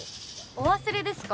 お忘れですか？